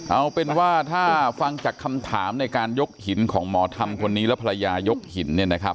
เอาเป็นว่าถ้าฟังจากคำถามในการยกหินของหมอทำคนนี้และภรรยายกหิน